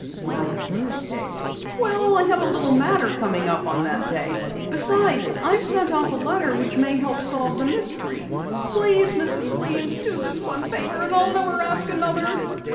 "Why Thursday?" "Well, I have a little matter coming up on that day. Besides, I've sent off a letter which may help solve the mystery. Please, Mrs. Weems, do this one favor and I'll never ask another."